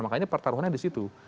makanya pertaruhannya di situ